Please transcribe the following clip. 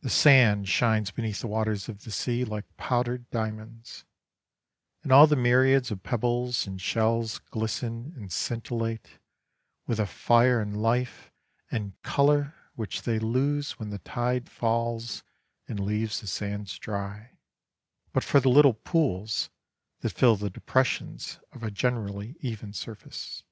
The sand shines beneath the waters of the sea like powdered diamonds, and all the myriads of pebbles and shells glisten and scintillate, with a fire and life and colour which they lose when the tide falls and leaves the sands dry, but for the little pools that fill the depressions of a generally even surface.